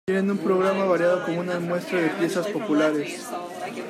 Quieren un programa variado como una muestra de piezas populares.